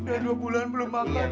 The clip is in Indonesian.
udah dua bulan belum makan bang